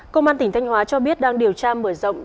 công an tỉnh thanh hóa cho biết đang điều tra mở rộng